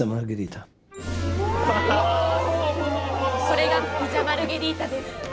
それがピザ・マルゲリータです。